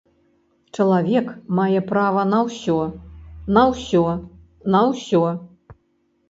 Чалавек мае права на усё, на усё, на ўсё!